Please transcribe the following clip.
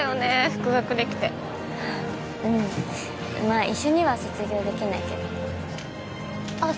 復学できてうんまあ一緒には卒業できないけどあっ